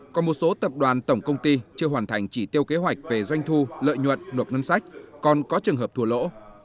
còn một số tập đoàn tổng công ty chưa hoàn thành chỉ tiêu kế hoạch về doanh thu lợi nhuận nộp ngân sách còn có trường hợp thua lỗ